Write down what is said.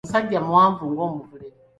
Omusajja muwanvu ng'omuvule.